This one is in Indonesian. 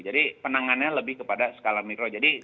jadi penangannya lebih kepada skala mikro jadi